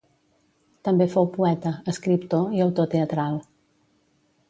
També fou poeta, escriptor i autor teatral.